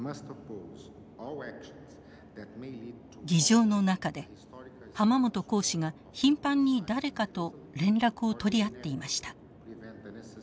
議場の中で濱本公使が頻繁に誰かと連絡を取り合っていました。